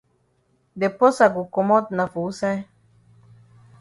De porsa go komot na for wusaid?